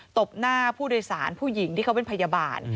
บหน้าผู้โดยสารผู้หญิงที่เขาเป็นพยาบาล